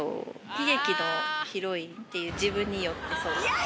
悲劇のヒロインっていう自分に酔ってそう。